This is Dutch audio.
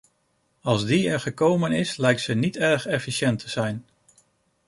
Als die er gekomen is lijkt ze niet erg efficiënt te zijn.